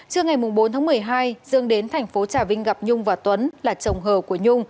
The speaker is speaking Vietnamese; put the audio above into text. trước ngày bốn tháng một mươi hai dương đến tp trà vinh gặp nhung và tuấn